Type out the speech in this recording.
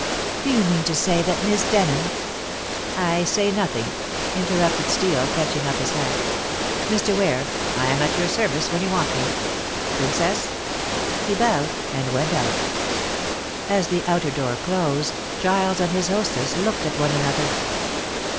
"Do you mean to say that Miss Denham " "I say nothing," interrupted Steel, catching up his hat. "Mr. Ware, I am at your service when you want me. Princess!" He bowed and went out. As the outer door closed Giles and his hostess looked at one another.